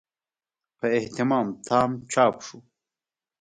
په اهتمام تام چاپ شو.